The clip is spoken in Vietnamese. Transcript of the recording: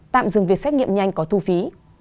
tạm dừng việc xét nghiệm nhanh có thu phí